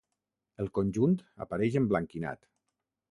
El conjunt apareix emblanquinat.